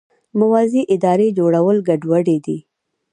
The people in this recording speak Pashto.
موازي ادارې جوړول ګډوډي ده.